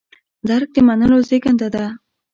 درک د منلو زېږنده ده.